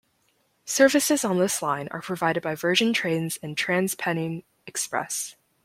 Services on this line are provided by Virgin Trains and TransPennine Express.